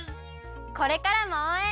これからもおうえん。